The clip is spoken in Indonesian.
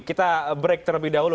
kita break terlebih dahulu